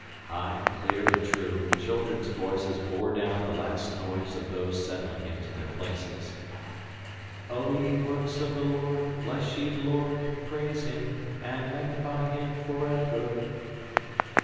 High, clear, and true, children's voices bore down the last noise of those settling into their places. "O all ye Works of the Lord, bless ye the Lord: praise him and magnify him for ever!"